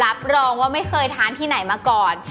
รับรองว่าไม่เคยทานที่ไหนมาก่อน